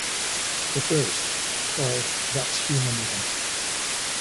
The first, called That's Humanism!